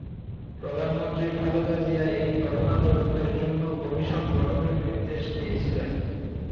প্রধানমন্ত্রী খালেদা জিয়া এই ঘটনা তদন্তের জন্য কমিশন গঠনের নির্দেশ দিয়েছিলেন।